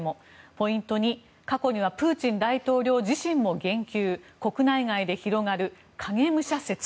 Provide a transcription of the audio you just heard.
ポイント２、過去にはプーチン大統領自身も言及国内外で広がる影武者説。